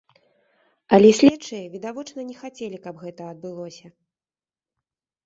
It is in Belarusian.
Але следчыя, відавочна, не хацелі, каб гэта адбылося.